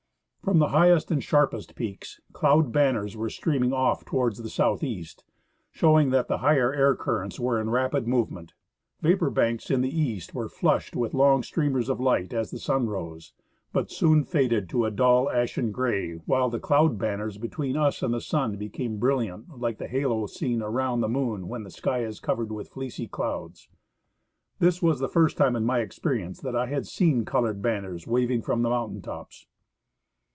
From the highest and sharpest peaks, cloud banners were streaming off towards the southeast, showing that^the higher air currents were in rapid movement. Vapor banks in the east were flushed with long streamers of light as the sun rose, but soon faded to a dull ashen gray, while the cloud banners between us and the sun became brilliant like the halo seen around the moon when the sky is covered with fleecy clouds. This was the first time in my experience that I had seen colored banners waving from the mountain tojos.